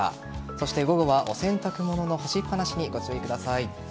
そして午後はお洗濯物の干しっ放しにご注意ください。